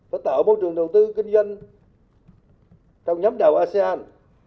phải tạo môi trường đầu tư kinh doanh trong nhóm đầu asean